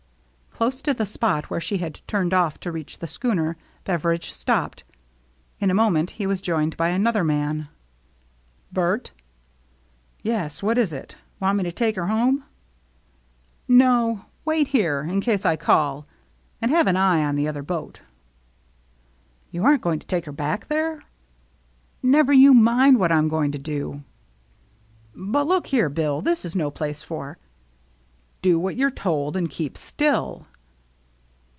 Close to the spot where she had turned off to reach the schooner Beveridge stopped. In a moment he was joined by another man. "Bert?" " Yes. What is it ? Want me to take her home?" " No. Wait here, in case I call. And have an eye on the other boat." " You aren't going to take her back there ?"" Never you mind what I'm going to do." THE EVENING OF THE SAME DAY 209 " But look here. Bill ! This is no place for —"" Do what you're told and keep still."